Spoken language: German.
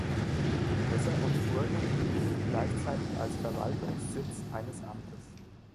Die Schlösser und Burgen dienten gleichzeitig als Verwaltungssitz eines Amtes.